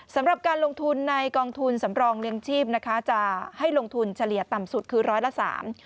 สำหรับการลงทุนในกองทุนสำรองเลี้ยงชีพนะคะจะให้ลงทุนเฉลี่ยต่ำสุดคือร้อยละสาม